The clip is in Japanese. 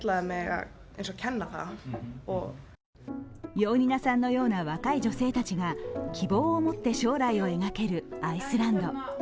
ヨウニナさんのような若い女性たちが希望を持って将来を描けるアイスランド。